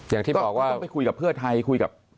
อย่างที่บอกต้องไปคุยกับเพื่อนไทย